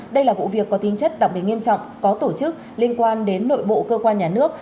đây là vụ việc có tính chất đặc biệt nghiêm trọng có tổ chức liên quan đến nội bộ cơ quan nhà nước